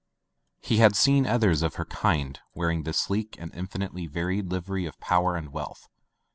He had seen others of her kind wearing the sleek and infinitely varied livery of power and wealth.